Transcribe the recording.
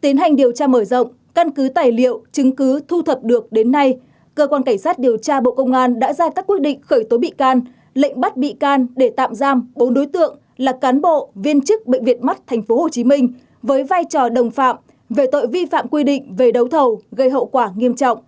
tiến hành điều tra mở rộng căn cứ tài liệu chứng cứ thu thập được đến nay cơ quan cảnh sát điều tra bộ công an đã ra các quyết định khởi tố bị can lệnh bắt bị can để tạm giam bốn đối tượng là cán bộ viên chức bệnh viện mắt tp hcm với vai trò đồng phạm về tội vi phạm quy định về đấu thầu gây hậu quả nghiêm trọng